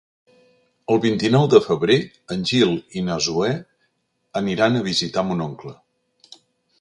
El vint-i-nou de febrer en Gil i na Zoè aniran a visitar mon oncle.